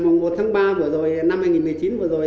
mùng một tháng ba vừa rồi năm hai nghìn một mươi chín vừa rồi